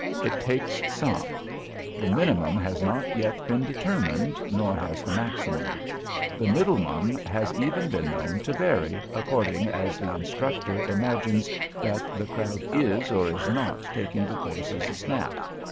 It takes some. The minimum has not yet been determined; nor has the maximum. The middlemum has even been known to vary, according as the instructor imagines that the crowd is or is not taking the course as a snap.